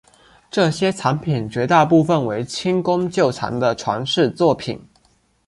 这些藏品绝大部分为清宫旧藏的传世作品。